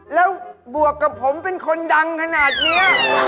แล้วบวกกับผมเป็นคนดังขนาดนี้